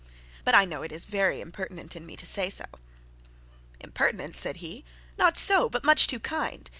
'But I know it is very impertinent in me to say so.' 'Impertinent!' said he. 'Not so, but much too kind.